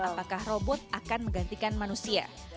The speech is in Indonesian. dia bertanya apakah robot akan menggantikan manusia